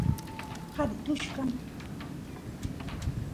qari tullu kan